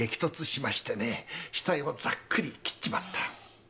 額をざっくり切っちまった。